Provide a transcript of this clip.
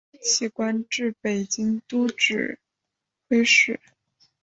其官至北京都指挥使。